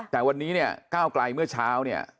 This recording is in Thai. แต่วันนี้เนี่ยก้าวไกลเมื่อเช้าเนี่ย